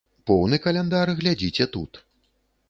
Поўны каляндар глядзіце тут.